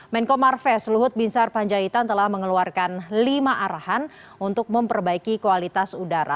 menkomar vesluhut binsar panjaitan telah mengeluarkan lima arahan untuk memperbaiki kualitas udara